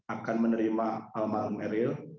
akan menerima almarhum ariel